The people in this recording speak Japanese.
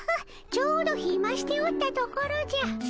ちょうどひましておったところじゃ。